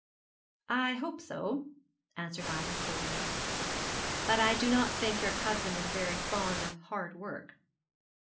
'I hope so,' answered Ida, coldly; 'but I do not think your cousin is very fond of hard work.'